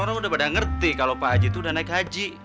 orang udah pada ngerti kalau pak haji itu udah naik haji